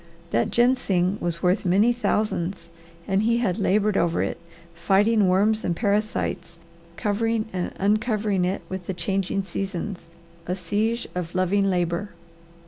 That ginseng was worth many thousands and he had laboured over it, fighting worms and parasites, covering and uncovering it with the changing seasons, a siege of loving labour.